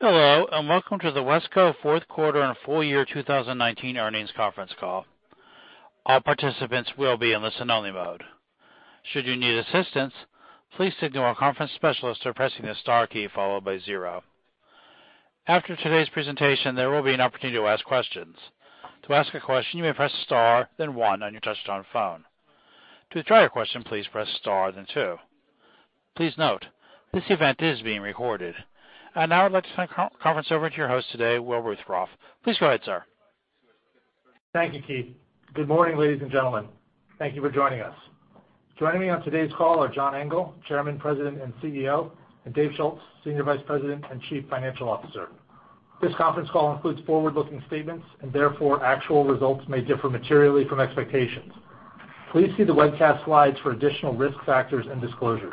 Hello, and welcome to the WESCO fourth quarter and full year 2019 earnings conference call. All participants will be in listen only mode. Should you need assistance, please signal our conference specialist by pressing the star key followed by zero. After today's presentation, there will be an opportunity to ask questions. To ask a question, you may press star, then one on your touch-tone phone. To withdraw your question, please press star, then two. Please note, this event is being recorded. Now I'd like to turn the conference over to your host today, Will Ruthrauff. Please go ahead, sir. Thank you, Keith. Good morning, ladies and gentlemen. Thank you for joining us. Joining me on today's call are John Engel, Chairman, President, and CEO, and Dave Schulz, Senior Vice President and Chief Financial Officer. This conference call includes forward-looking statements, and therefore, actual results may differ materially from expectations. Please see the webcast slides for additional risk factors and disclosures.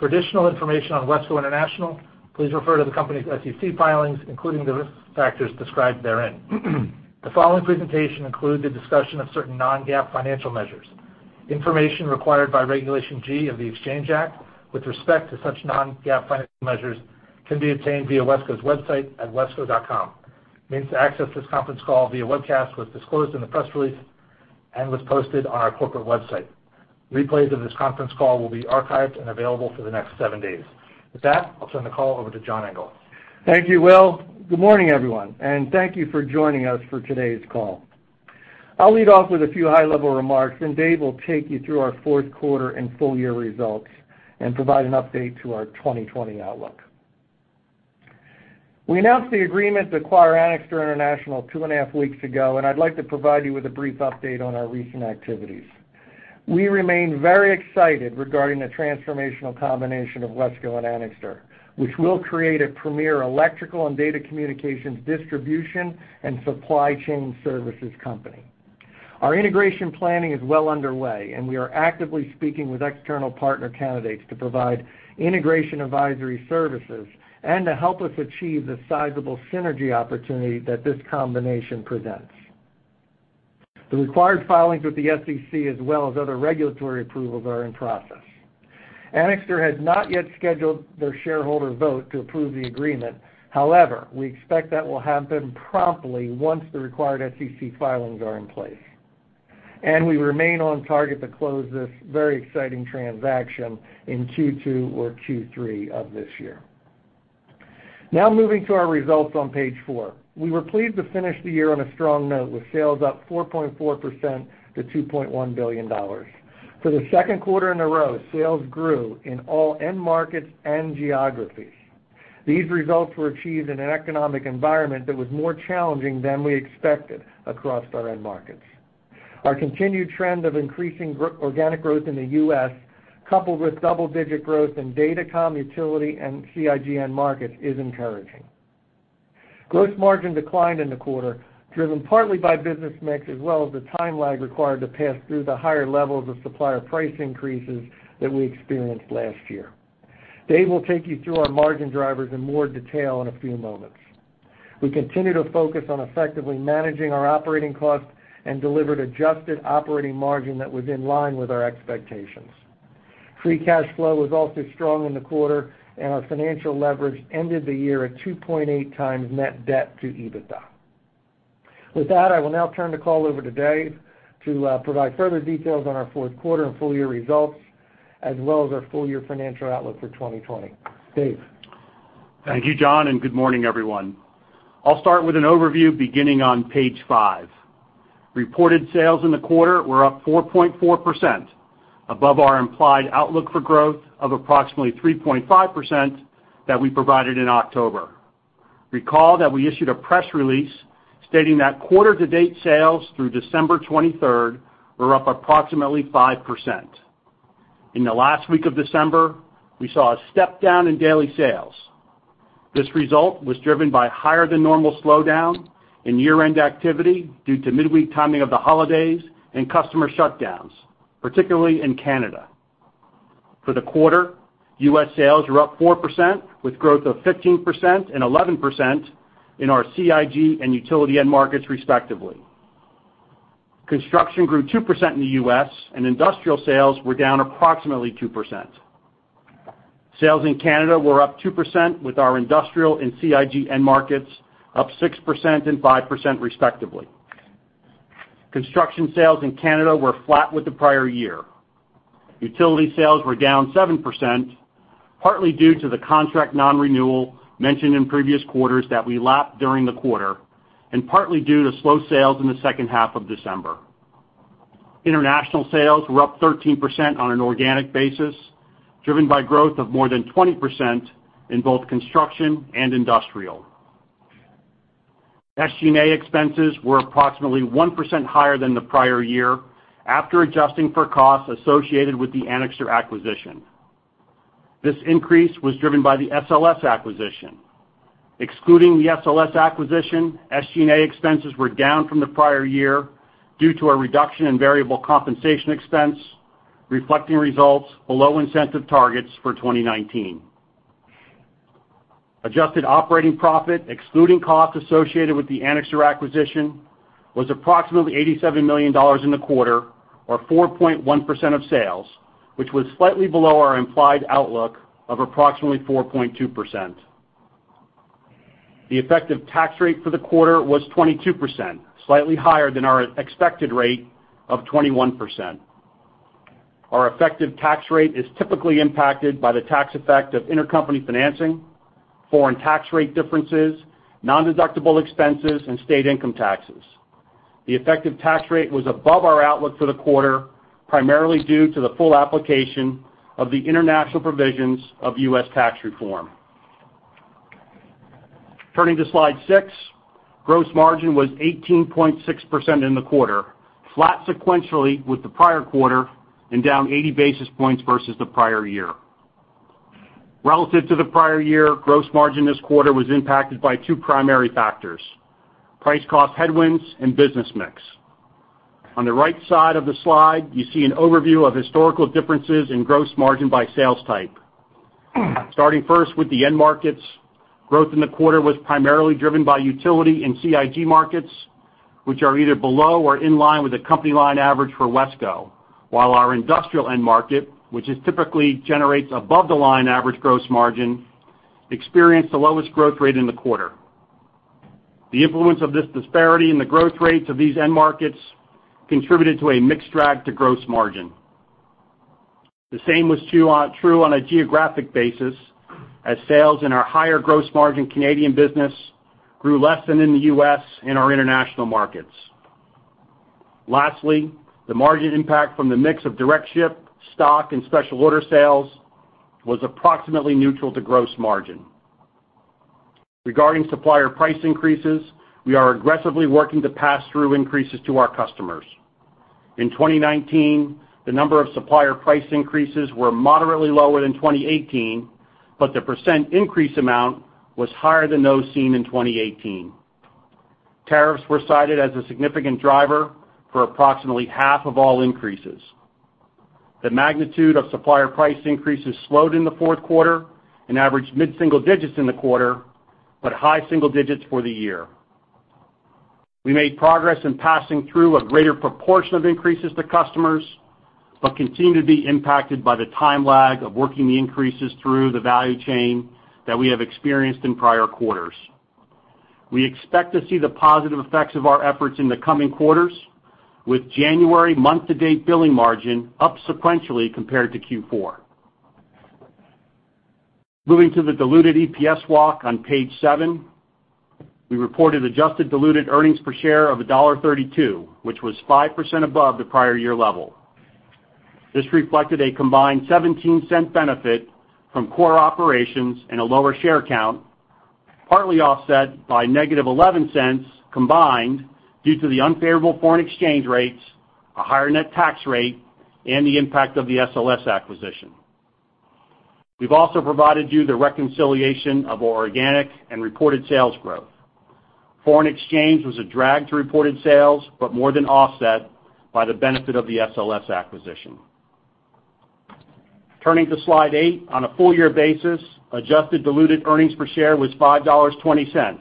For additional information on WESCO International, please refer to the company's SEC filings, including the risk factors described therein. The following presentation includes a discussion of certain non-GAAP financial measures. Information required by Regulation G of the Exchange Act with respect to such non-GAAP financial measures can be obtained via WESCO's website at wesco.com. Means to access this conference call via webcast was disclosed in the press release and was posted on our corporate website. Replays of this conference call will be archived and available for the next seven days. With that, I'll turn the call over to John Engel. Thank you, Will. Good morning, everyone, and thank you for joining us for today's call. I'll lead off with a few high-level remarks. Dave will take you through our fourth quarter and full-year results and provide an update to our 2020 outlook. We announced the agreement to acquire Anixter International two and a half weeks ago. I'd like to provide you with a brief update on our recent activities. We remain very excited regarding the transformational combination of WESCO and Anixter, which will create a premier electrical and data communications distribution and supply chain services company. Our integration planning is well underway. We are actively speaking with external partner candidates to provide integration advisory services and to help us achieve the sizable synergy opportunity that this combination presents. The required filings with the SEC as well as other regulatory approvals are in process. Anixter has not yet scheduled their shareholder vote to approve the agreement. However, we expect that will happen promptly once the required SEC filings are in place. We remain on target to close this very exciting transaction in Q2 or Q3 of this year. Moving to our results on page four. We were pleased to finish the year on a strong note with sales up 4.4% to $2.1 billion. For the second quarter in a row, sales grew in all end markets and geographies. These results were achieved in an economic environment that was more challenging than we expected across our end markets. Our continued trend of increasing organic growth in the U.S., coupled with double-digit growth in datacom, utility, and CIG markets is encouraging. Gross margin declined in the quarter, driven partly by business mix as well as the time lag required to pass through the higher levels of supplier price increases that we experienced last year. Dave will take you through our margin drivers in more detail in a few moments. We continue to focus on effectively managing our operating costs and delivered adjusted operating margin that was in line with our expectations. Free cash flow was also strong in the quarter, and our financial leverage ended the year at 2.8 times net debt to EBITDA. With that, I will now turn the call over to Dave to provide further details on our fourth quarter and full-year results, as well as our full-year financial outlook for 2020. Dave? Thank you, John, and good morning, everyone. I'll start with an overview beginning on page five. Reported sales in the quarter were up 4.4%, above our implied outlook for growth of approximately 3.5% that we provided in October. Recall that we issued a press release stating that quarter to date sales through December 23rd were up approximately 5%. In the last week of December, we saw a step down in daily sales. This result was driven by higher than normal slowdown in year-end activity due to midweek timing of the holidays and customer shutdowns, particularly in Canada. For the quarter, U.S. sales were up 4% with growth of 15% and 11% in our CIG and utility end markets, respectively. Construction grew 2% in the U.S., and industrial sales were down approximately 2%. Sales in Canada were up 2% with our industrial and CIG end markets up 6% and 5% respectively. Construction sales in Canada were flat with the prior year. Utility sales were down 7%, partly due to the contract non-renewal mentioned in previous quarters that we lapped during the quarter, and partly due to slow sales in the second half of December. International sales were up 13% on an organic basis, driven by growth of more than 20% in both construction and industrial. SG&A expenses were approximately 1% higher than the prior year after adjusting for costs associated with the Anixter acquisition. This increase was driven by the SLS acquisition. Excluding the SLS acquisition, SG&A expenses were down from the prior year due to a reduction in variable compensation expense, reflecting results below incentive targets for 2019. Adjusted operating profit, excluding costs associated with the Anixter acquisition, was approximately $87 million in the quarter or 4.1% of sales, which was slightly below our implied outlook of approximately 4.2%. The effective tax rate for the quarter was 22%, slightly higher than our expected rate of 21%. Our effective tax rate is typically impacted by the tax effect of intercompany financing, foreign tax rate differences, nondeductible expenses, and state income taxes. The effective tax rate was above our outlook for the quarter, primarily due to the full application of the international provisions of U.S. tax reform. Turning to Slide six, gross margin was 18.6% in the quarter, flat sequentially with the prior quarter and down 80 basis points versus the prior year. Relative to the prior year, gross margin this quarter was impacted by two primary factors, price cost headwinds and business mix. On the right side of the slide, you see an overview of historical differences in gross margin by sales type. Starting first with the end markets, growth in the quarter was primarily driven by utility and CIG markets, which are either below or in line with the company line average for WESCO, while our industrial end market, which is typically generates above the line average gross margin, experienced the lowest growth rate in the quarter. The influence of this disparity in the growth rates of these end markets contributed to a mixed drag to gross margin. The same was true on a geographic basis as sales in our higher gross margin Canadian business grew less than in the U.S. and our international markets. Lastly, the margin impact from the mix of direct ship, stock, and special order sales was approximately neutral to gross margin. Regarding supplier price increases, we are aggressively working to pass through increases to our customers. In 2019, the number of supplier price increases were moderately lower than 2018, but the % increase amount was higher than those seen in 2018. Tariffs were cited as a significant driver for approximately half of all increases. The magnitude of supplier price increases slowed in the fourth quarter and averaged mid-single digits in the quarter, but high single digits for the year. We made progress in passing through a greater proportion of increases to customers but continue to be impacted by the time lag of working the increases through the value chain that we have experienced in prior quarters. We expect to see the positive effects of our efforts in the coming quarters, with January month-to-date billing margin up sequentially compared to Q4. Moving to the diluted EPS walk on page seven, we reported adjusted diluted earnings per share of $1.32, which was 5% above the prior year level. This reflected a combined $0.17 benefit from core operations and a lower share count, partly offset by negative $0.11 combined due to the unfavorable foreign exchange rates, a higher net tax rate, and the impact of the SLS acquisition. We've also provided you the reconciliation of our organic and reported sales growth. Foreign exchange was a drag to reported sales, but more than offset by the benefit of the SLS acquisition. Turning to Slide 8, on a full-year basis, adjusted diluted earnings per share was $5.20,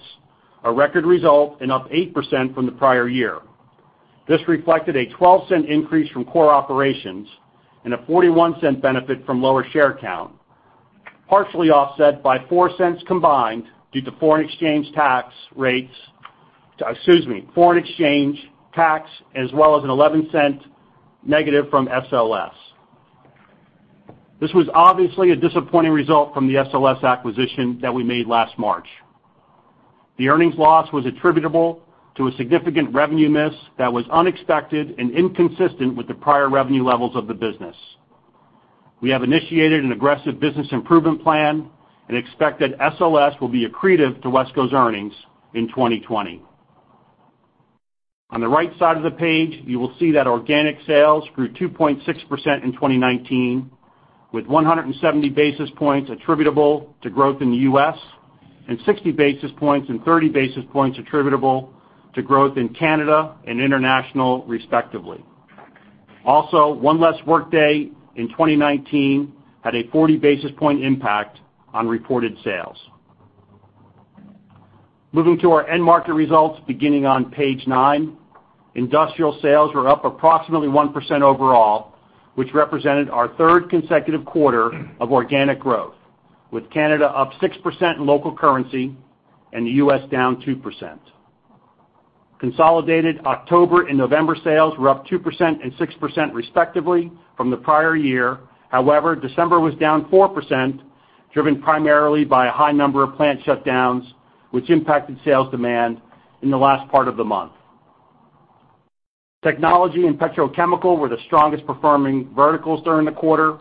a record result and up 8% from the prior year. This reflected a $0.12 increase from core operations and a $0.41 benefit from lower share count, partially offset by $0.04 combined due to foreign exchange tax rates, excuse me, foreign exchange tax, as well as an $0.11 negative from SLS. This was obviously a disappointing result from the SLS acquisition that we made last March. The earnings loss was attributable to a significant revenue miss that was unexpected and inconsistent with the prior revenue levels of the business. We have initiated an aggressive business improvement plan and expect that SLS will be accretive to WESCO's earnings in 2020. On the right side of the page, you will see that organic sales grew 2.6% in 2019, with 170 basis points attributable to growth in the U.S. and 60 basis points and 30 basis points attributable to growth in Canada and international respectively. Also, one less workday in 2019 had a 40 basis point impact on reported sales. Moving to our end market results beginning on page nine, industrial sales were up approximately 1% overall, which represented our third consecutive quarter of organic growth, with Canada up 6% in local currency and the U.S. down 2%. Consolidated October and November sales were up 2% and 6% respectively from the prior year. December was down 4%, driven primarily by a high number of plant shutdowns, which impacted sales demand in the last part of the month. Technology and petrochemical were the strongest-performing verticals during the quarter,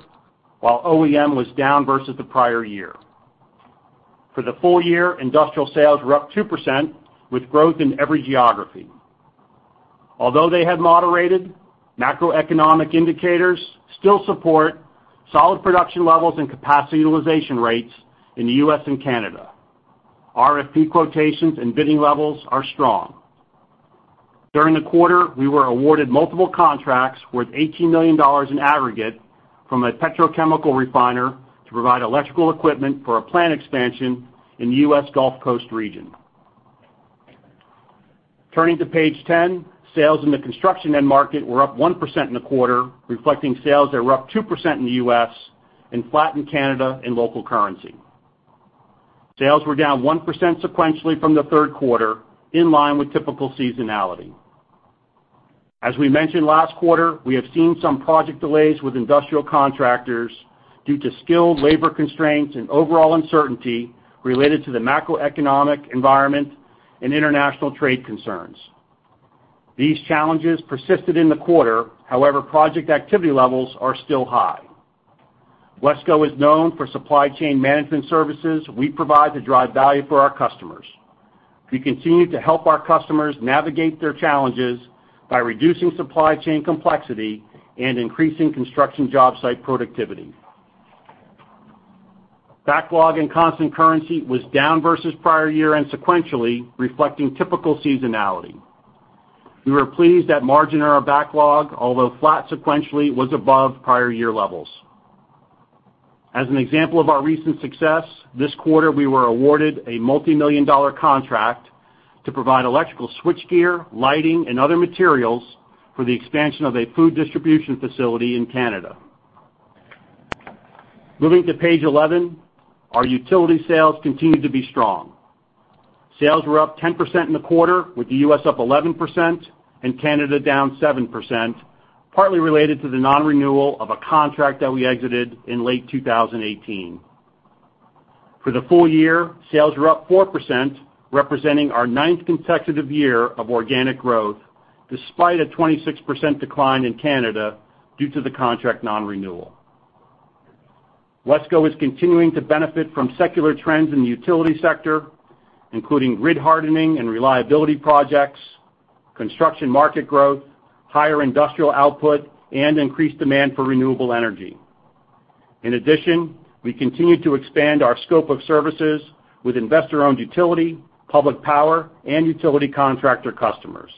while OEM was down versus the prior year. For the full year, industrial sales were up 2%, with growth in every geography. Although they have moderated, macroeconomic indicators still support solid production levels and capacity utilization rates in the U.S. and Canada. RFP quotations and bidding levels are strong. During the quarter, we were awarded multiple contracts worth $18 million in aggregate from a petrochemical refiner to provide electrical equipment for a plant expansion in the U.S. Gulf Coast region. Turning to page 10, sales in the construction end market were up 1% in the quarter, reflecting sales that were up 2% in the U.S. and flat in Canada in local currency. Sales were down 1% sequentially from the third quarter, in line with typical seasonality. As we mentioned last quarter, we have seen some project delays with industrial contractors due to skilled labor constraints and overall uncertainty related to the macroeconomic environment and international trade concerns. These challenges persisted in the quarter. Project activity levels are still high. WESCO is known for supply chain management services we provide to drive value for our customers. We continue to help our customers navigate their challenges by reducing supply chain complexity and increasing construction job site productivity. Backlog and constant currency was down versus prior year and sequentially reflecting typical seasonality. We were pleased that margin on our backlog, although flat sequentially, was above prior year levels. As an example of our recent success, this quarter we were awarded a multimillion-dollar contract to provide electrical switchgear, lighting, and other materials for the expansion of a food distribution facility in Canada. Moving to page 11, our utility sales continued to be strong. Sales were up 10% in the quarter, with the U.S. up 11% and Canada down 7%, partly related to the non-renewal of a contract that we exited in late 2018. For the full year, sales were up 4%, representing our ninth consecutive year of organic growth, despite a 26% decline in Canada due to the contract non-renewal. WESCO is continuing to benefit from secular trends in the utility sector, including grid hardening and reliability projects, construction market growth, higher industrial output, and increased demand for renewable energy. We continue to expand our scope of services with investor-owned utility, public power, and utility contractor customers.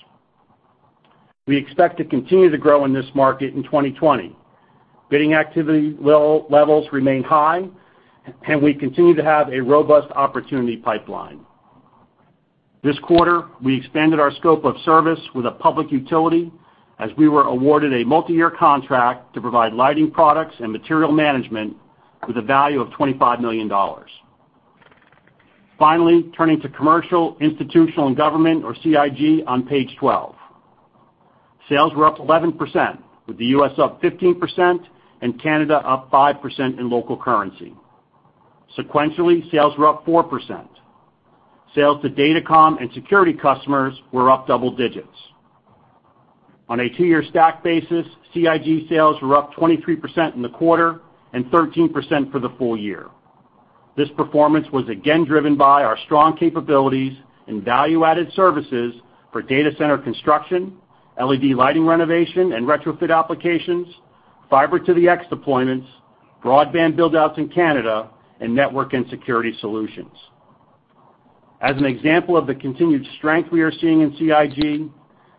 We expect to continue to grow in this market in 2020. Bidding activity levels remain high, and we continue to have a robust opportunity pipeline. This quarter, we expanded our scope of service with a public utility as we were awarded a multi-year contract to provide lighting products and material management with a value of $25 million. Turning to commercial, institutional, and government or CIG on page 12. Sales were up 11%, with the U.S. up 15% and Canada up 5% in local currency. Sequentially, sales were up 4%. Sales to datacom and security customers were up double digits. On a two-year stack basis, CIG sales were up 23% in the quarter and 13% for the full year. This performance was again driven by our strong capabilities and value-added services for data center construction, LED lighting renovation and retrofit applications, Fiber to the x deployments, broadband build-outs in Canada, and network and security solutions. As an example of the continued strength we are seeing in CIG,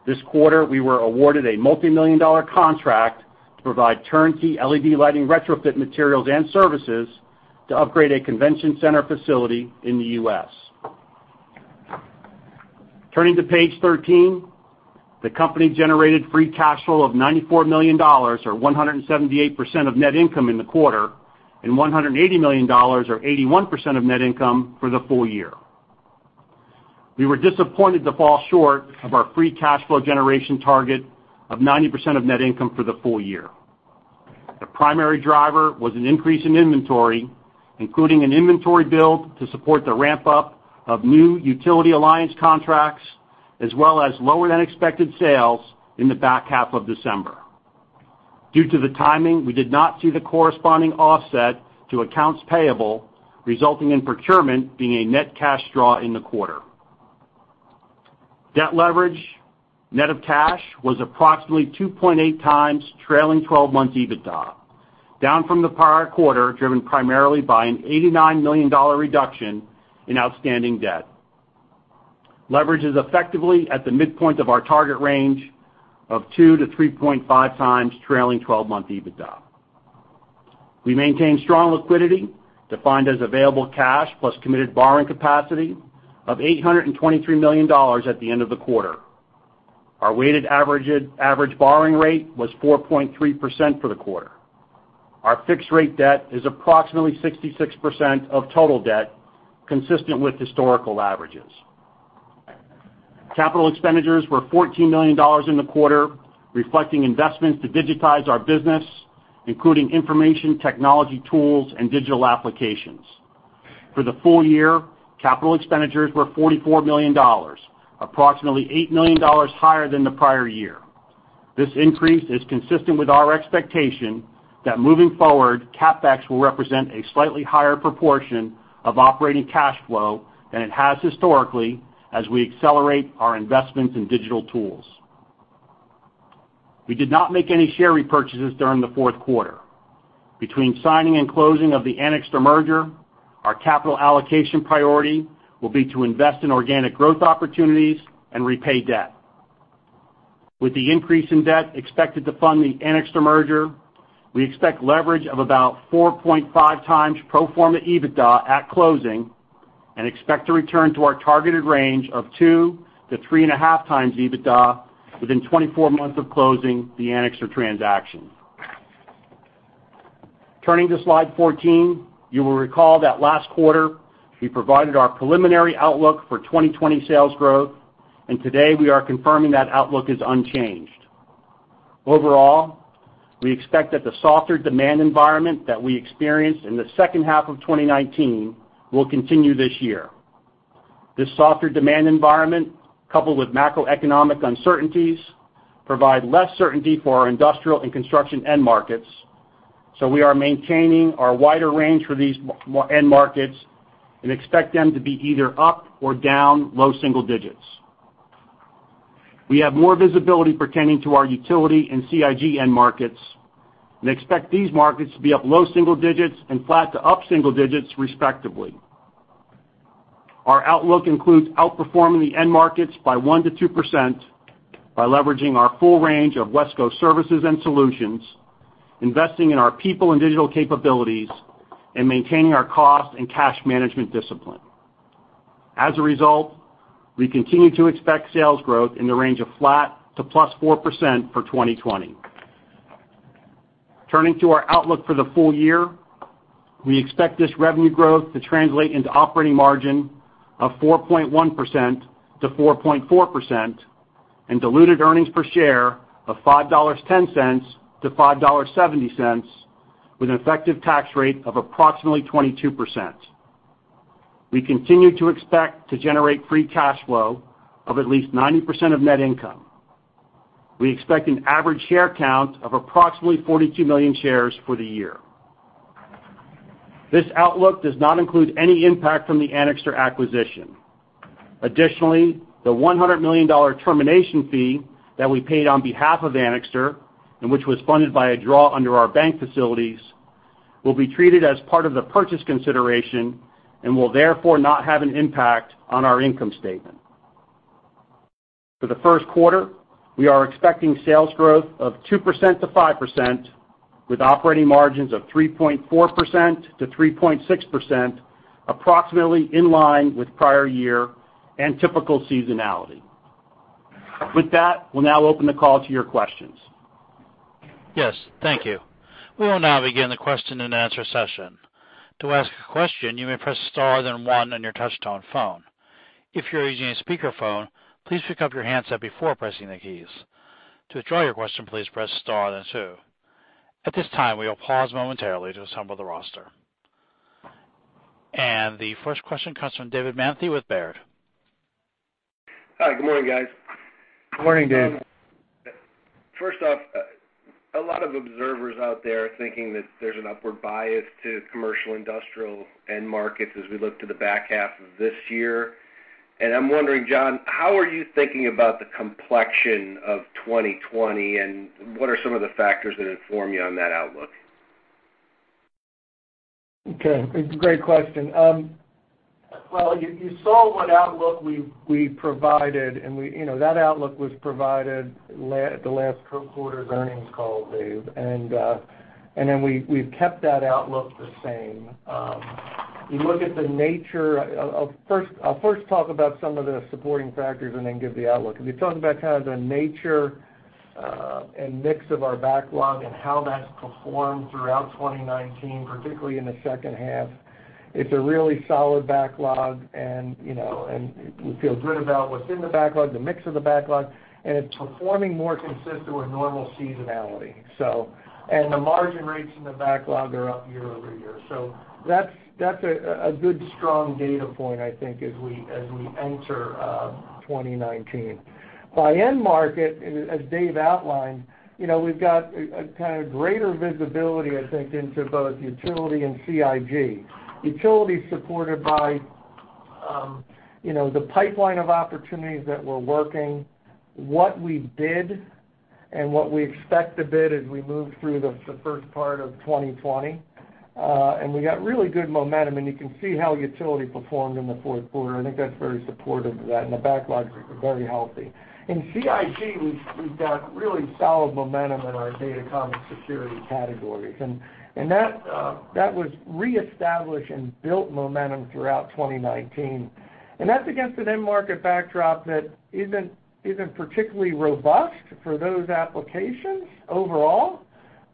this quarter, we were awarded a multimillion-dollar contract to provide turnkey LED lighting retrofit materials and services to upgrade a convention center facility in the U.S. Turning to page 13, the company generated free cash flow of $94 million, or 178% of net income in the quarter, and $180 million or 81% of net income for the full year. We were disappointed to fall short of our free cash flow generation target of 90% of net income for the full year. The primary driver was an increase in inventory, including an inventory build to support the ramp-up of new utility alliance contracts, as well as lower than expected sales in the back half of December. Due to the timing, we did not see the corresponding offset to accounts payable, resulting in procurement being a net cash draw in the quarter. Debt leverage net of cash was approximately 2.8 times trailing 12 months EBITDA, down from the prior quarter, driven primarily by an $89 million reduction in outstanding debt. Leverage is effectively at the midpoint of our target range of 2 to 3.5 times trailing 12-month EBITDA. We maintain strong liquidity, defined as available cash plus committed borrowing capacity of $823 million at the end of the quarter. Our weighted average borrowing rate was 4.3% for the quarter. Our fixed-rate debt is approximately 66% of total debt, consistent with historical averages. Capital expenditures were $14 million in the quarter, reflecting investments to digitize our business, including information technology tools and digital applications. For the full year, capital expenditures were $44 million, approximately $8 million higher than the prior year. This increase is consistent with our expectation that moving forward, CapEx will represent a slightly higher proportion of operating cash flow than it has historically as we accelerate our investments in digital tools. We did not make any share repurchases during the fourth quarter. Between signing and closing of the Anixter merger, our capital allocation priority will be to invest in organic growth opportunities and repay debt. With the increase in debt expected to fund the Anixter merger, we expect leverage of about 4.5 times pro forma EBITDA at closing and expect to return to our targeted range of 2 to 3.5 times EBITDA within 24 months of closing the Anixter transaction. Turning to slide 14, you will recall that last quarter, we provided our preliminary outlook for 2020 sales growth. Today we are confirming that outlook is unchanged. Overall, we expect that the softer demand environment that we experienced in the second half of 2019 will continue this year. This softer demand environment, coupled with macroeconomic uncertainties, provide less certainty for our industrial and construction end markets. We are maintaining our wider range for these end markets and expect them to be either up or down low single digits. We have more visibility pertaining to our utility and CIG end markets and expect these markets to be up low single digits and flat to up single digits, respectively. Our outlook includes outperforming the end markets by 1%-2% by leveraging our full range of WESCO services and solutions, investing in our people and digital capabilities, and maintaining our cost and cash management discipline. We continue to expect sales growth in the range of flat to plus 4% for 2020. Turning to our outlook for the full year, we expect this revenue growth to translate into operating margin of 4.1%-4.4% and diluted earnings per share of $5.10-$5.70, with an effective tax rate of approximately 22%. We continue to expect to generate free cash flow of at least 90% of net income. We expect an average share count of approximately 42 million shares for the year. This outlook does not include any impact from the Anixter acquisition. Additionally, the $100 million termination fee that we paid on behalf of Anixter, and which was funded by a draw under our bank facilities, will be treated as part of the purchase consideration and will therefore not have an impact on our income statement. For the first quarter, we are expecting sales growth of 2%-5%, with operating margins of 3.4%-3.6%, approximately in line with prior year and typical seasonality. With that, we'll now open the call to your questions. Yes. Thank you. We will now begin the question and answer session. To ask a question, you may press star, then one on your touch-tone phone. If you're using a speakerphone, please pick up your handset before pressing the keys. To withdraw your question, please press star, then two. At this time, we will pause momentarily to assemble the roster. The first question comes from David Manthey with Baird. Hi. Good morning, guys. Good morning, Dave. First off, a lot of observers out there are thinking that there's an upward bias to commercial industrial end markets as we look to the back half of this year. I'm wondering, John, how are you thinking about the complexion of 2020, and what are some of the factors that inform you on that outlook? Okay. It's a great question. You saw what outlook we provided. That outlook was provided at the last third quarter's earnings call, Dave. We've kept that outlook the same. I'll first talk about some of the supporting factors and then give the outlook. If you're talking about the nature, and mix of our backlog and how that's performed throughout 2019, particularly in the second half, it's a really solid backlog, and we feel good about what's in the backlog, the mix of the backlog, and it's performing more consistent with normal seasonality. The margin rates in the backlog are up year-over-year. That's a good strong data point, I think, as we enter 2019. By end market, as Dave outlined, we've got a kind of greater visibility, I think, into both utility and CIG. Utility is supported by the pipeline of opportunities that we're working, what we bid, and what we expect to bid as we move through the first part of 2020. We got really good momentum, and you can see how utility performed in the fourth quarter. I think that's very supportive of that, and the backlogs are very healthy. In CIG, we've got really solid momentum in our datacom and security categories, that was reestablished and built momentum throughout 2019. That's against an end market backdrop that isn't particularly robust for those applications overall,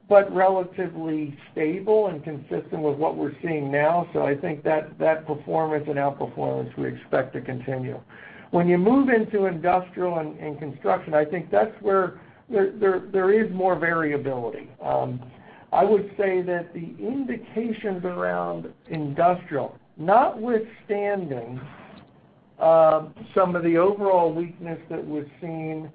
but relatively stable and consistent with what we're seeing now. I think that performance and outperformance we expect to continue. When you move into industrial and construction, I think that's where there is more variability. I would say that the indications around industrial, notwithstanding some of the overall weakness that we've seen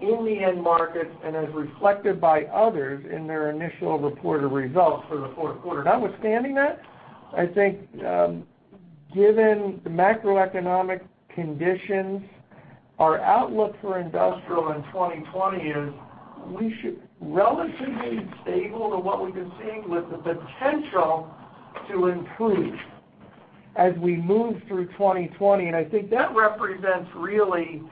in the end markets and as reflected by others in their initial reported results for the fourth quarter. Notwithstanding that, I think, given the macroeconomic conditions, our outlook for industrial in 2020 is we should be relatively stable to what we've been seeing with the potential to improve. As we move through 2020, and I think that represents really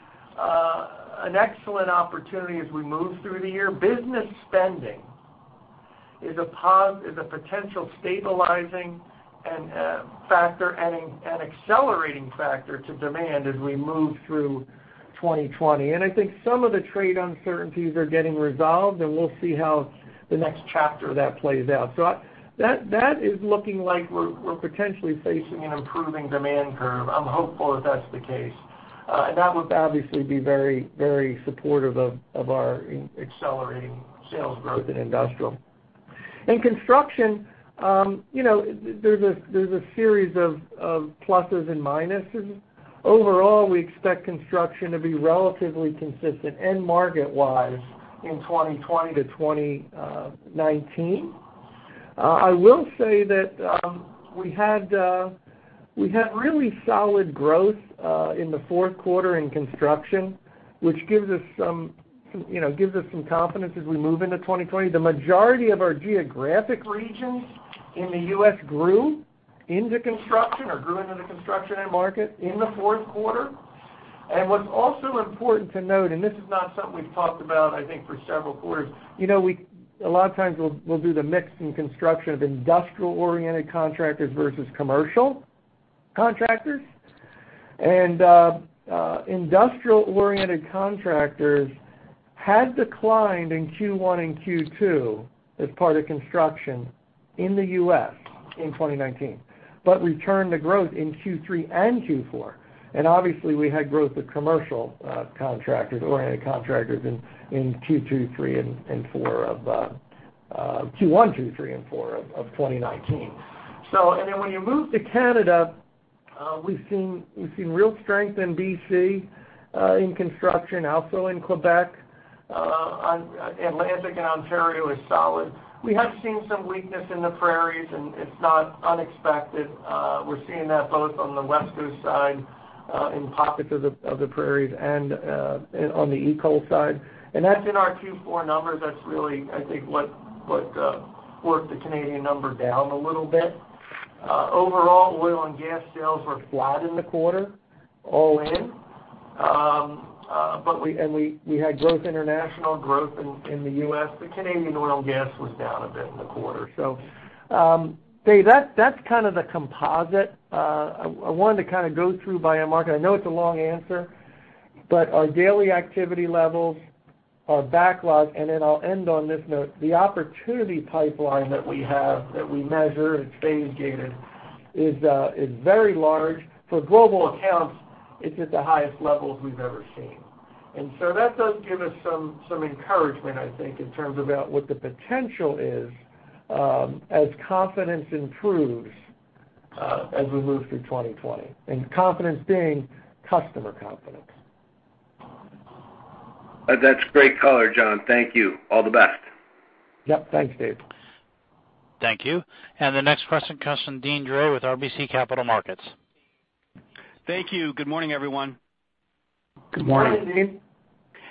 an excellent opportunity as we move through the year. Business spending is a potential stabilizing factor and an accelerating factor to demand as we move through 2020. I think some of the trade uncertainties are getting resolved, and we'll see how the next chapter of that plays out. That is looking like we're potentially facing an improving demand curve. I'm hopeful if that's the case. That would obviously be very supportive of our accelerating sales growth in industrial. In construction, there's a series of pluses and minuses. Overall, we expect construction to be relatively consistent end market-wise in 2020 to 2019. I will say that we had really solid growth in the fourth quarter in construction, which gives us some confidence as we move into 2020. The majority of our geographic regions in the U.S. grew into construction or grew into the construction end market in the fourth quarter. What's also important to note, this is not something we've talked about, I think, for several quarters. A lot of times, we'll do the mix in construction of industrial-oriented contractors versus commercial contractors. Industrial-oriented contractors had declined in Q1 and Q2 as part of construction in the U.S. in 2019, but returned to growth in Q3 and Q4. Obviously, we had growth with commercial contractors, oriented contractors in Q1, two, three and four of 2019. When you move to Canada, we've seen real strength in B.C. in construction, also in Quebec. Atlantic and Ontario is solid. We have seen some weakness in the Prairies, and it's not unexpected. We're seeing that both on the West Coast side, in pockets of the Prairies, and on the East Coast side. That's in our Q4 numbers. That's really, I think, what pulled the Canadian number down a little bit. Overall, oil and gas sales were flat in the quarter, all in. We had growth, international growth in the U.S. The Canadian oil and gas was down a bit in the quarter. Dave, that's kind of the composite. I wanted to kind of go through by a market. I know it's a long answer, but our daily activity levels, our backlog, and then I'll end on this note, the opportunity pipeline that we have, that we measure, it's phase-gated, is very large. For global accounts, it's at the highest levels we've ever seen. That does give us some encouragement, I think, in terms about what the potential is as confidence improves as we move through 2020, and confidence being customer confidence. That's great color, John. Thank you. All the best. Yep. Thanks, Dave. Thank you. The next question comes from Deane Dray with RBC Capital Markets. Thank you. Good morning, everyone. Good morning. Good morning, Deane.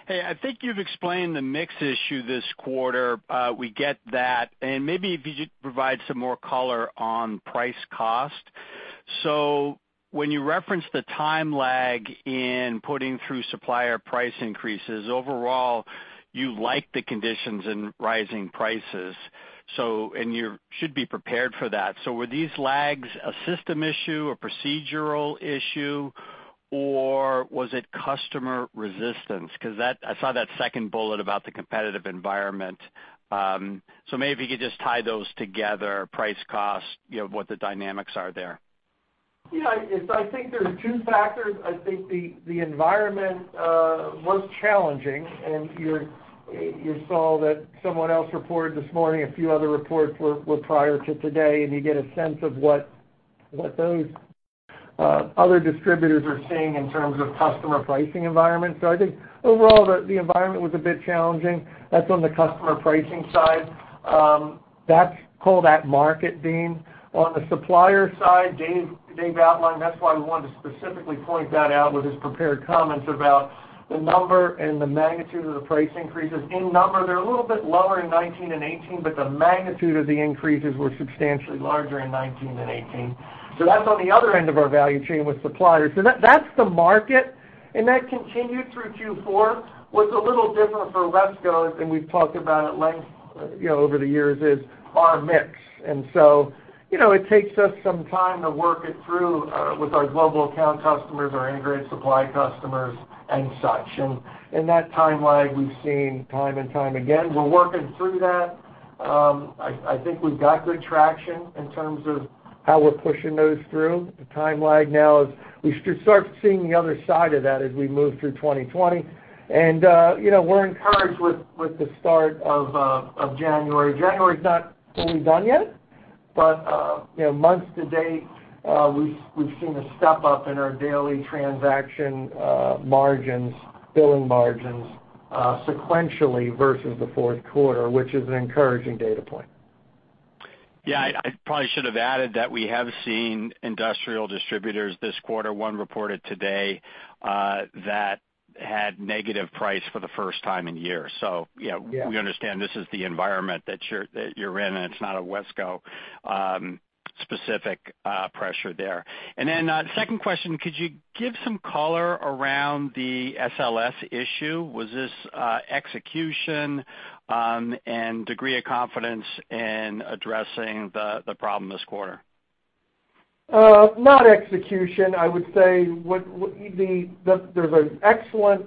Hey. I think you've explained the mix issue this quarter. We get that. Maybe if you could provide some more color on price cost. When you reference the time lag in putting through supplier price increases, overall, you like the conditions in rising prices. You should be prepared for that. Were these lags a system issue, a procedural issue, or was it customer resistance? Because I saw that second bullet about the competitive environment. Maybe if you could just tie those together, price cost, what the dynamics are there. I think there are two factors. I think the environment was challenging, and you saw that someone else reported this morning, a few other reports were prior to today, and you get a sense of what those other distributors are seeing in terms of customer pricing environment. I think overall, the environment was a bit challenging. That's on the customer pricing side. That's pull at market, Deane. On the supplier side, Dave outlined, that's why we wanted to specifically point that out with his prepared comments about the number and the magnitude of the price increases. In number, they're a little bit lower in 2019 and 2018, but the magnitude of the increases were substantially larger in 2019 than 2018. That's on the other end of our value chain with suppliers. That's the market, and that continued through Q4. What's a little different for WESCO, and we've talked about at length over the years, is our mix. It takes us some time to work it through with our global account customers, our integrated supply customers, and such. That timeline we've seen time and time again. We're working through that. I think we've got good traction in terms of how we're pushing those through. The time lag now is we should start seeing the other side of that as we move through 2020. We're encouraged with the start of January. January's not fully done yet, but month to date, we've seen a step up in our daily transaction margins, billing margins, sequentially versus the fourth quarter, which is an encouraging data point. I probably should've added that we have seen industrial distributors this quarter, one reported today, that had negative price for the first time in years. Yeah. Yeah. We understand this is the environment that you're in, and it's not a WESCO specific pressure there. Second question, could you give some color around the SLS issue? Was this execution and degree of confidence in addressing the problem this quarter? Not execution. I would say there's an excellent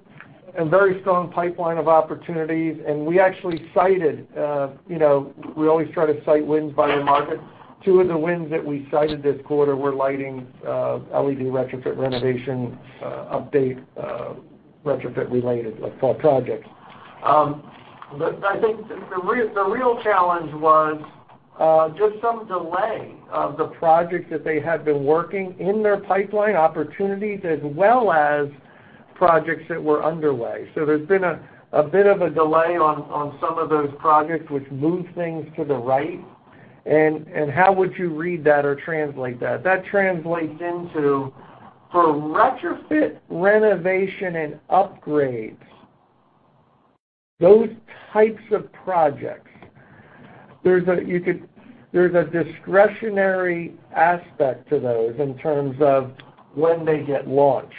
and very strong pipeline of opportunities, and we actually cited, we always try to cite wins by the market. Two of the wins that we cited this quarter were lighting LED retrofit renovation update, retrofit-related projects. I think the real challenge was just some delay of the projects that they had been working in their pipeline opportunities, as well as projects that were underway. There's been a bit of a delay on some of those projects, which moved things to the right. How would you read that or translate that? That translates into, for retrofit renovation and upgrades, those types of projects, there's a discretionary aspect to those in terms of when they get launched.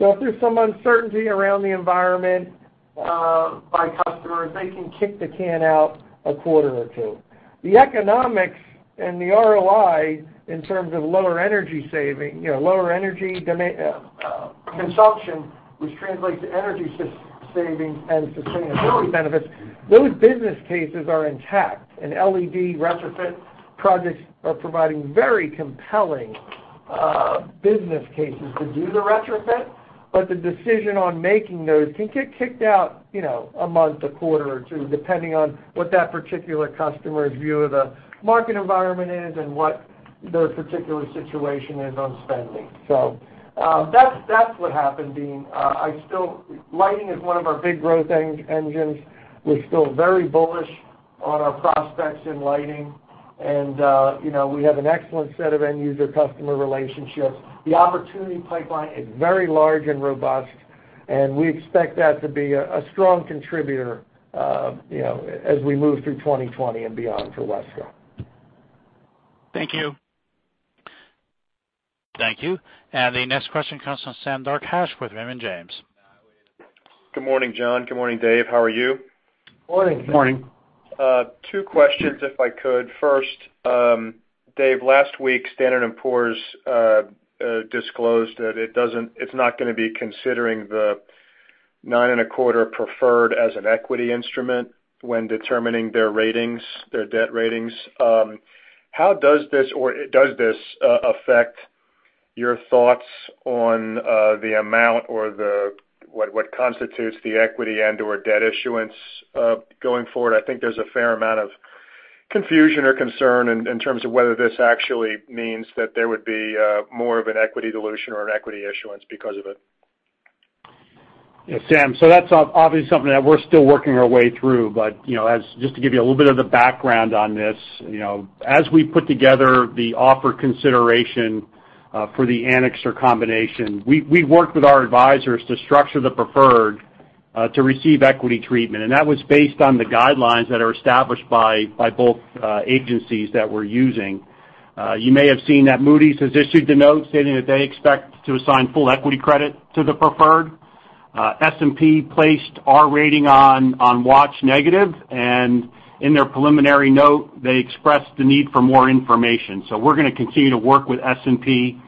If there's some uncertainty around the environment by customers, they can kick the can out a quarter or two. The economics and the ROI in terms of lower energy consumption, which translates to energy savings and sustainability benefits, those business cases are intact. LED retrofit projects are providing very compelling business cases to do the retrofit, but the decision on making those can get kicked out a month, a quarter, or two, depending on what that particular customer's view of the market environment is and what their particular situation is on spending. That's what happened, Deane. Lighting is one of our big growth engines. We're still very bullish on our prospects in lighting, and we have an excellent set of end-user customer relationships. The opportunity pipeline is very large and robust, and we expect that to be a strong contributor as we move through 2020 and beyond for WESCO. Thank you. Thank you. The next question comes from Sam Darkatsh with Raymond James. Good morning, John. Good morning, Dave. How are you? Morning. Morning. Two questions, if I could. First, Dave, last week, Standard & Poor's disclosed that it's not going to be considering the nine-and-a-quarter preferred as an equity instrument when determining their debt ratings. Does this affect your thoughts on the amount or what constitutes the equity and/or debt issuance going forward? I think there's a fair amount of confusion or concern in terms of whether this actually means that there would be more of an equity dilution or an equity issuance because of it. Yeah, Sam. That's obviously something that we're still working our way through. Just to give you a little bit of the background on this, as we put together the offer consideration for the Anixter combination, we worked with our advisors to structure the preferred to receive equity treatment. That was based on the guidelines that are established by both agencies that we're using. You may have seen that Moody's has issued the note stating that they expect to assign full equity credit to the preferred. S&P placed our rating on watch negative, and in their preliminary note, they expressed the need for more information. We're going to continue to work with S&P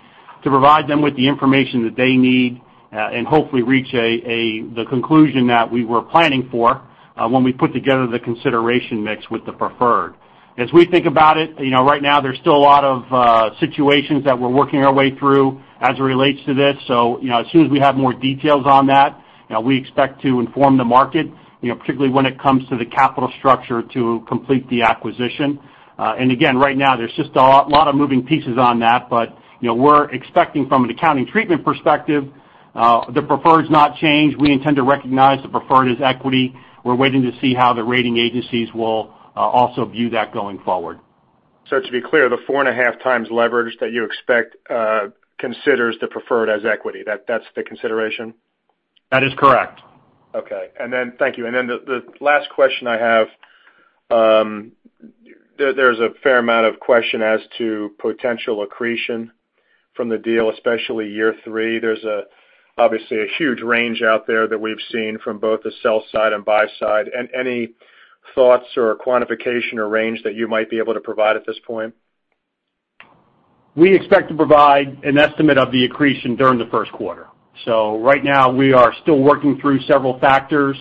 to provide them with the information that they need and hopefully reach the conclusion that we were planning for when we put together the consideration mix with the preferred. As we think about it, right now, there's still a lot of situations that we're working our way through as it relates to this. As soon as we have more details on that, we expect to inform the market, particularly when it comes to the capital structure to complete the acquisition. Again, right now, there's just a lot of moving pieces on that. We're expecting from an accounting treatment perspective the preferreds not change. We intend to recognize the preferred as equity. We're waiting to see how the rating agencies will also view that going forward. To be clear, the four-and-a-half times leverage that you expect considers the preferred as equity. That's the consideration? That is correct. Okay. Thank you. The last question I have, there's a fair amount of question as to potential accretion from the deal, especially year three. There's obviously a huge range out there that we've seen from both the sell side and buy side. Any thoughts or quantification or range that you might be able to provide at this point? We expect to provide an estimate of the accretion during the first quarter. Right now, we are still working through several factors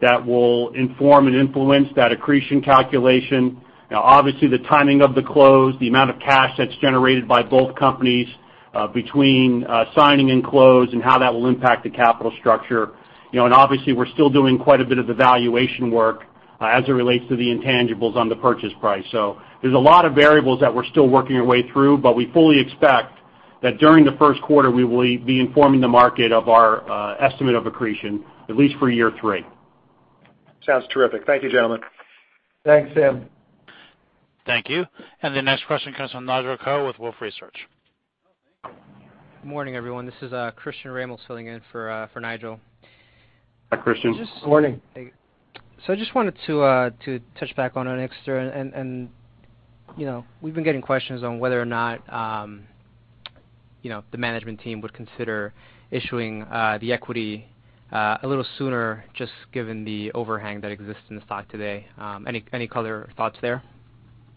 that will inform and influence that accretion calculation. Obviously, the timing of the close, the amount of cash that's generated by both companies between signing and close, and how that will impact the capital structure. Obviously, we're still doing quite a bit of evaluation work as it relates to the intangibles on the purchase price. There's a lot of variables that we're still working our way through, but we fully expect that during the first quarter, we will be informing the market of our estimate of accretion, at least for year three. Sounds terrific. Thank you, gentlemen. Thanks, Sam. Thank you. The next question comes from Nigel Coe with Wolfe Research. Morning, everyone. This is Christian Ramels filling in for Nigel. Hi, Christian. Morning. I just wanted to touch back on Anixter, and we've been getting questions on whether or not the management team would consider issuing the equity a little sooner, just given the overhang that exists in the stock today. Any color thoughts there?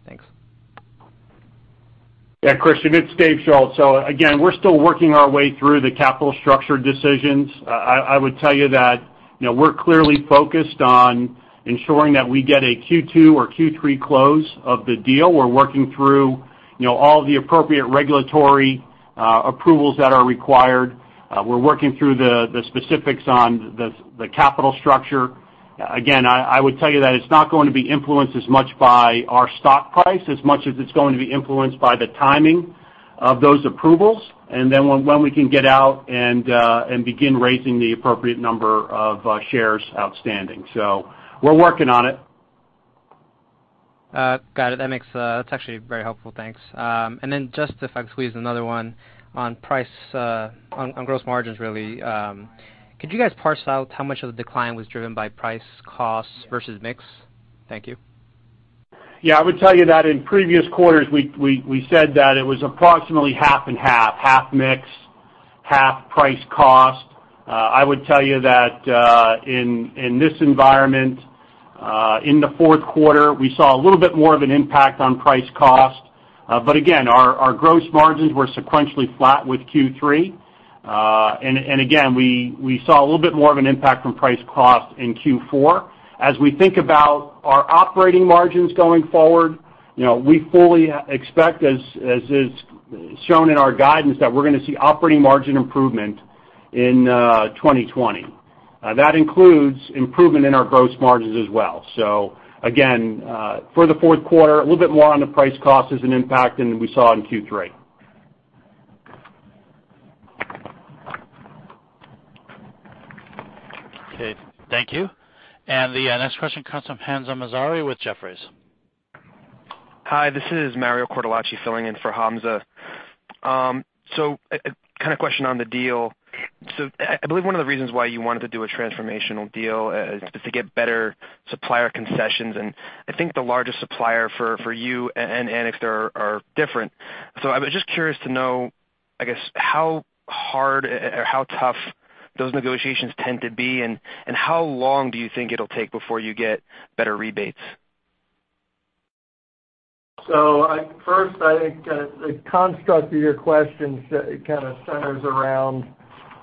Thanks. Yeah, Christian, it's Dave Schulz. Again, we're still working our way through the capital structure decisions. I would tell you that we're clearly focused on ensuring that we get a Q2 or Q3 close of the deal. We're working through all the appropriate regulatory approvals that are required. We're working through the specifics on the capital structure. Again, I would tell you that it's not going to be influenced as much by our stock price, as much as it's going to be influenced by the timing of those approvals and then when we can get out and begin raising the appropriate number of shares outstanding. We're working on it. Got it. That's actually very helpful. Thanks. Then just if I could squeeze another one on gross margins, really. Could you guys parse out how much of the decline was driven by price costs versus mix? Thank you. Yeah, I would tell you that in previous quarters, we said that it was approximately half and half mix, half price cost. I would tell you that in this environment, in the fourth quarter, we saw a little bit more of an impact on price cost. Again, our gross margins were sequentially flat with Q3. Again, we saw a little bit more of an impact from price cost in Q4. As we think about our operating margins going forward, we fully expect, as is shown in our guidance, that we're going to see operating margin improvement in 2020. That includes improvement in our gross margins as well. Again, for the fourth quarter, a little bit more on the price cost as an impact than we saw in Q3. Okay, thank you. The next question comes from Hamza Mazari with Jefferies. Hi, this is Mario Cortellacci filling in for Hamza. Kind of question on the deal. I believe one of the reasons why you wanted to do a transformational deal is to get better supplier concessions, and I think the largest supplier for you and Anixter are different. I was just curious to know, I guess, how hard or how tough those negotiations tend to be, and how long do you think it'll take before you get better rebates? First, I think the construct of your question kind of centers around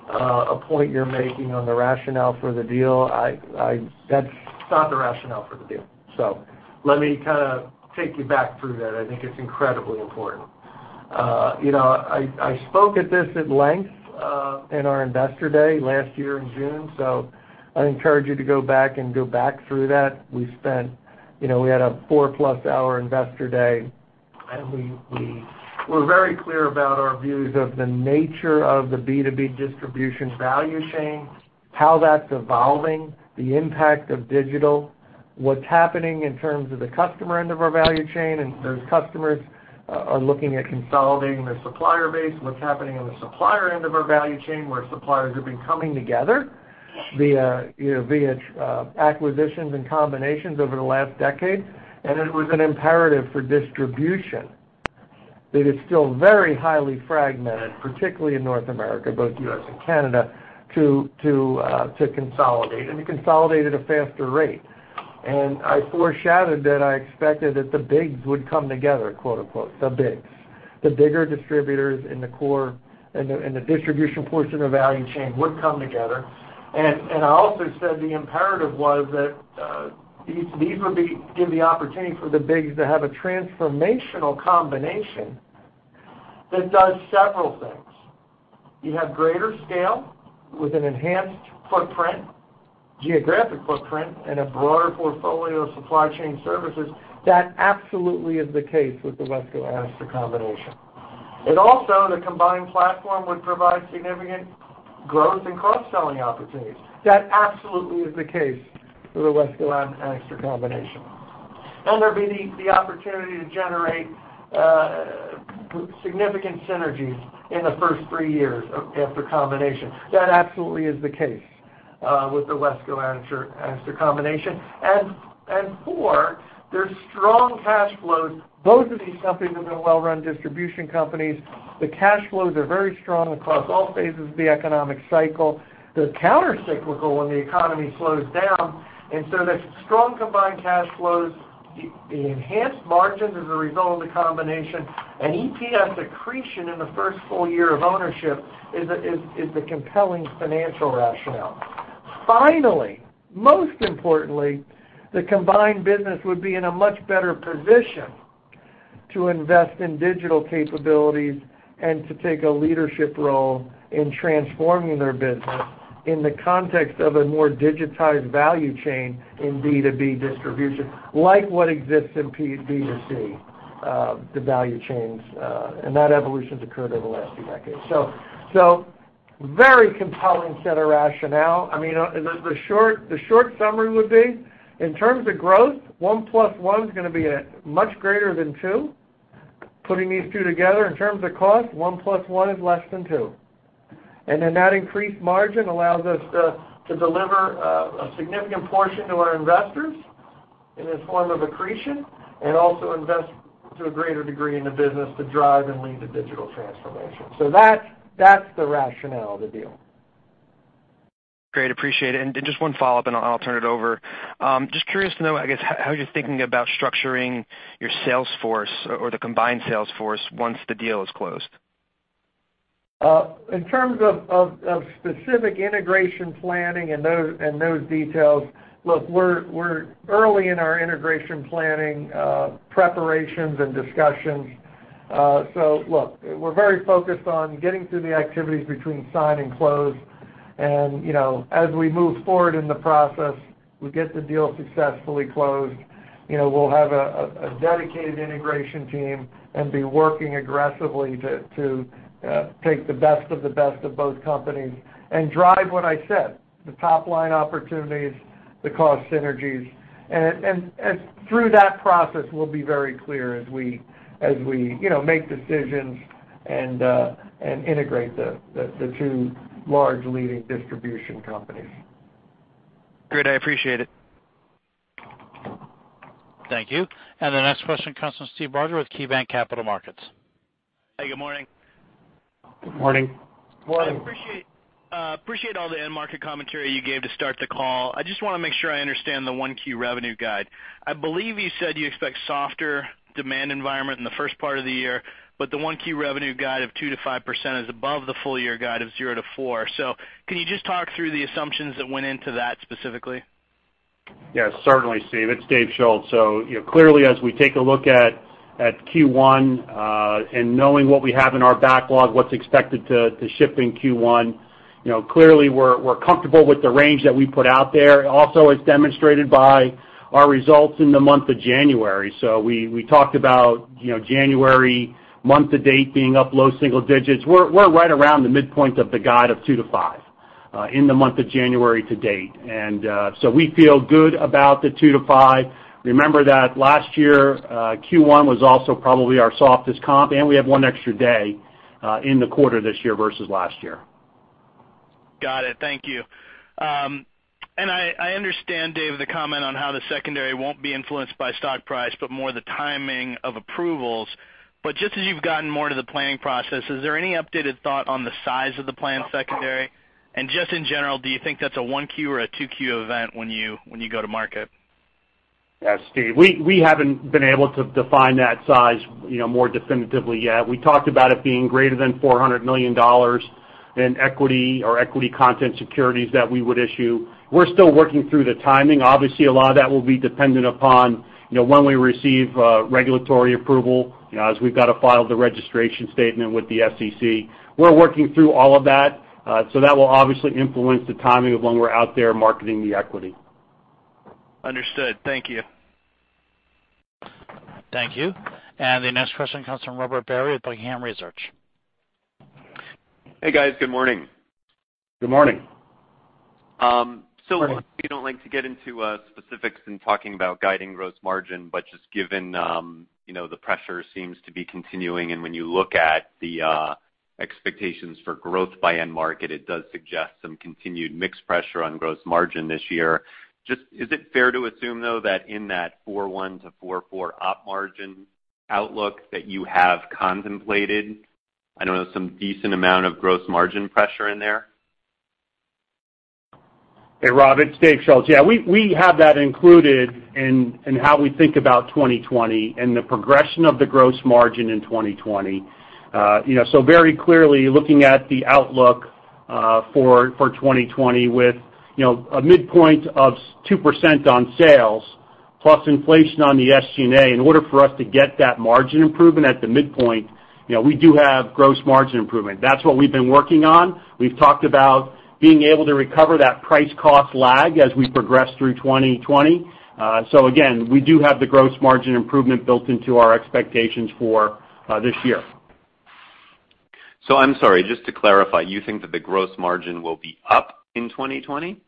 a point you're making on the rationale for the deal. That's not the rationale for the deal. Let me kind of take you back through that. I think it's incredibly important. I spoke at this at length in our investor day last year in June, so I encourage you to go back and go back through that. We had a four-plus-hour investor day, and we were very clear about our views of the nature of the B2B distribution value chain, how that's evolving, the impact of digital, what's happening in terms of the customer end of our value chain, and those customers are looking at consolidating their supplier base, what's happening on the supplier end of our value chain, where suppliers have been coming together via acquisitions and combinations over the last decade. It was an imperative for distribution that is still very highly fragmented, particularly in North America, both U.S. and Canada, to consolidate, and to consolidate at a faster rate. I foreshadowed that I expected that the bigs would come together, quote unquote, the bigs, the bigger distributors in the distribution portion of the value chain would come together. I also said the imperative was that these would give the opportunity for the bigs to have a transformational combination that does several things. You have greater scale with an enhanced footprint, geographic footprint, and a broader portfolio of supply chain services. That absolutely is the case with the WESCO and Anixter combination. Also, the combined platform would provide significant growth and cross-selling opportunities. That absolutely is the case for the WESCO and Anixter combination. There'd be the opportunity to generate significant synergies in the first three years after combination. That absolutely is the case with the WESCO-Anixter combination. Four, there's strong cash flows. Both of these companies have been well-run distribution companies. The cash flows are very strong across all phases of the economic cycle. They're countercyclical when the economy slows down, the strong combined cash flows, the enhanced margins as a result of the combination, and EPS accretion in the first full year of ownership is the compelling financial rationale. Finally, most importantly, the combined business would be in a much better position to invest in digital capabilities and to take a leadership role in transforming their business in the context of a more digitized value chain in B2B distribution, like what exists in B2C, the value chains, that evolution's occurred over the last few decades. Very compelling set of rationale. I mean, the short summary would be, in terms of growth, one plus one's going to be much greater than two. Putting these two together in terms of cost, one plus one is less than two. That increased margin allows us to deliver a significant portion to our investors in this form of accretion, and also invest to a greater degree in the business to drive and lead the digital transformation. That's the rationale of the deal. Great. Appreciate it. Just one follow-up and I'll turn it over. Just curious to know, I guess, how are you thinking about structuring your sales force or the combined sales force once the deal is closed? In terms of specific integration planning and those details, look, we're early in our integration planning, preparations, and discussions. Look, we're very focused on getting through the activities between sign and close. As we move forward in the process, we get the deal successfully closed. We'll have a dedicated integration team and be working aggressively to take the best of the best of both companies and drive what I said, the top-line opportunities, the cost synergies. Through that process, we'll be very clear as we make decisions and integrate the two large leading distribution companies. Great. I appreciate it. Thank you. The next question comes from Steve Barger with KeyBanc Capital Markets. Hey, good morning. Good morning. Morning. I appreciate all the end market commentary you gave to start the call. I just want to make sure I understand the 1Q revenue guide. I believe you said you expect softer demand environment in the first part of the year, but the 1Q revenue guide of 2%-5% is above the full-year guide of 0%-4%. Can you just talk through the assumptions that went into that specifically? Yeah, certainly, Steve. It's Dave Schulz. Clearly, as we take a look at Q1, and knowing what we have in our backlog, what's expected to ship in Q1. Clearly, we're comfortable with the range that we put out there. Also, it's demonstrated by our results in the month of January. We talked about January month-to-date being up low single digits. We're right around the midpoint of the guide of 2%-5%, in the month of January to date. We feel good about the 2%-5%. Remember that last year, Q1 was also probably our softest comp, and we have one extra day in the quarter this year versus last year. Got it. Thank you. I understand, Dave, the comment on how the secondary won't be influenced by stock price, but more the timing of approvals. Just as you've gotten more to the planning process, is there any updated thought on the size of the planned secondary? Just in general, do you think that's a 1Q or a 2Q event when you go to market? Yeah, Steve. We haven't been able to define that size more definitively yet. We talked about it being greater than $400 million in equity or equity content securities that we would issue. We're still working through the timing. Obviously, a lot of that will be dependent upon when we receive regulatory approval, as we've got to file the registration statement with the SEC. We're working through all of that will obviously influence the timing of when we're out there marketing the equity. Understood. Thank you. Thank you. The next question comes from Robert Barry at Buckingham Research. Hey, guys. Good morning. Good morning. Morning. We don't like to get into specifics in talking about guiding gross margin, but just given the pressure seems to be continuing, and when you look at the expectations for growth by end market, it does suggest some continued mixed pressure on gross margin this year. Just is it fair to assume, though, that in that 4.1-4.4 op margin outlook that you have contemplated, I don't know, some decent amount of gross margin pressure in there? Hey, Rob, it's Dave Schulz. Yeah, we have that included in how we think about 2020 and the progression of the gross margin in 2020. Very clearly, looking at the outlook for 2020 with a midpoint of 2% on sales plus inflation on the SG&A, in order for us to get that margin improvement at the midpoint, we do have gross margin improvement. That's what we've been working on. We've talked about being able to recover that price cost lag as we progress through 2020. Again, we do have the gross margin improvement built into our expectations for this year. I'm sorry, just to clarify, you think that the gross margin will be up in 2020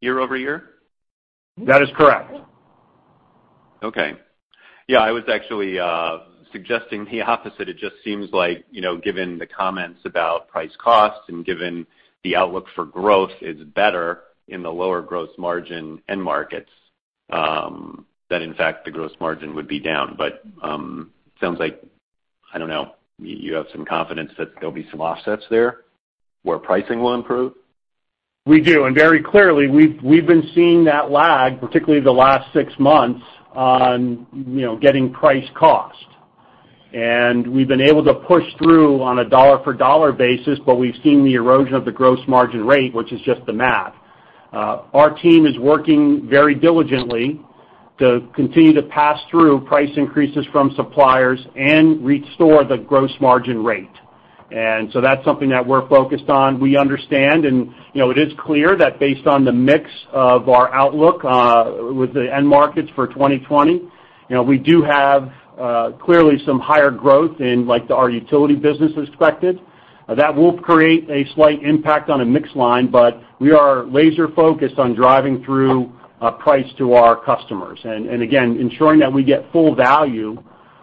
year-over-year? That is correct. Okay. Yeah, I was actually suggesting the opposite. It just seems like, given the comments about price costs and given the outlook for growth is better in the lower gross margin end markets, that in fact, the gross margin would be down. It sounds like, I don't know, you have some confidence that there'll be some offsets there where pricing will improve? We do. Very clearly, we've been seeing that lag, particularly the last 6 months on getting price cost. We've been able to push through on a dollar for dollar basis, but we've seen the erosion of the gross margin rate, which is just the math. Our team is working very diligently to continue to pass through price increases from suppliers and restore the gross margin rate. That's something that we're focused on. We understand, and it is clear that based on the mix of our outlook, with the end markets for 2020, we do have clearly some higher growth in our utility business expected. That will create a slight impact on a mixed line, but we are laser focused on driving through price to our customers. Again, ensuring that we get full value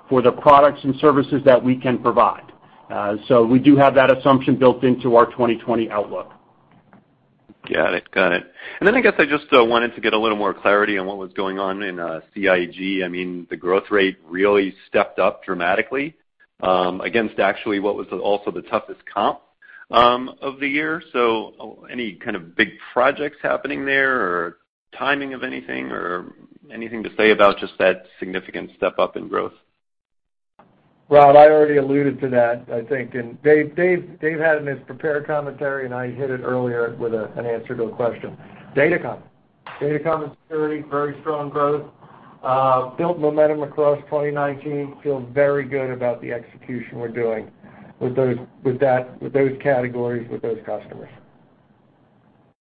for the products and services that we can provide. We do have that assumption built into our 2020 outlook. Got it. I guess I just wanted to get a little more clarity on what was going on in CIG. The growth rate really stepped up dramatically, against actually what was also the toughest comp of the year. Any kind of big projects happening there or timing of anything, or anything to say about just that significant step up in growth? Rob, I already alluded to that, I think. Dave had it in his prepared commentary, and I hit it earlier with an answer to a question. datacom. datacom and security, very strong growth. Built momentum across 2019. Feel very good about the execution we're doing with those categories, with those customers.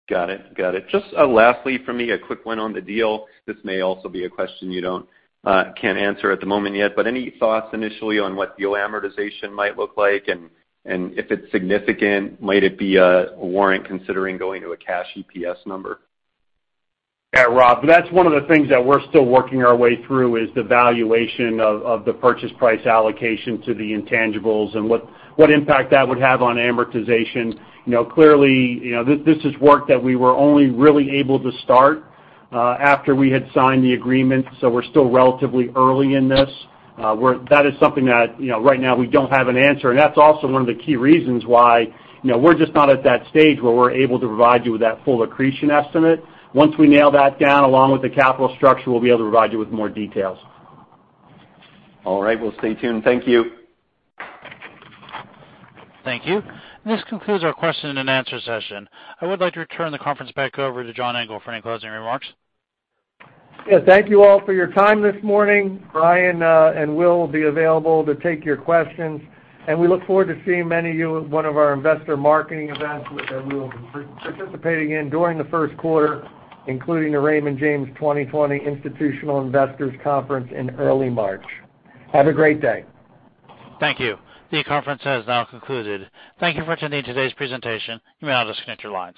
Got it. Just lastly from me, a quick one on the deal. This may also be a question you can't answer at the moment yet, but any thoughts initially on what deal amortization might look like? If it's significant, might it be worth considering going to a cash EPS number? Yeah, Rob. That's one of the things that we're still working our way through, is the valuation of the purchase price allocation to the intangibles and what impact that would have on amortization. Clearly, this is work that we were only really able to start after we had signed the agreement, so we're still relatively early in this. That is something that, right now we don't have an answer. That's also one of the key reasons why we're just not at that stage where we're able to provide you with that full accretion estimate. Once we nail that down, along with the capital structure, we'll be able to provide you with more details. All right. We'll stay tuned. Thank you. Thank you. This concludes our question and answer session. I would like to return the conference back over to John Engel for any closing remarks. Yeah, thank you all for your time this morning. Brian and Will will be available to take your questions, and we look forward to seeing many of you at one of our investor marketing events that we will be participating in during the first quarter, including the Raymond James 2020 Institutional Investors Conference in early March. Have a great day. Thank you. The conference has now concluded. Thank you for attending today's presentation. You may now disconnect your lines.